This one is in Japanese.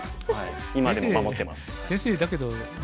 今でも守ってます。